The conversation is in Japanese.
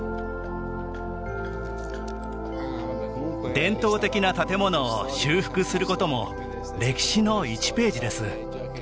伝統的な建物を修復することも歴史の１ページです